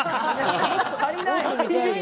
足りない。